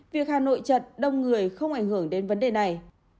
việc hà nội chật đông người không ảnh hưởng đến vấn đề này